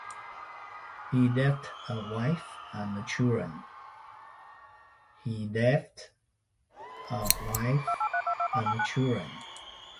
He left a wife and children.